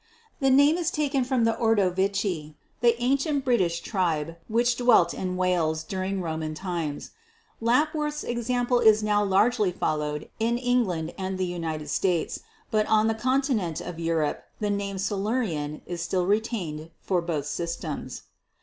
The name is taken from the 'Ordovici,' an ancient British tribe which dwelt in Wales during Roman times. Lap worth's example is now largely followed in England and the United States, but on the continent of Europe the name 'Silurian' is still retained for both systems.